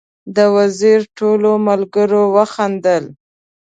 د وزیر ټولو ملګرو وخندل.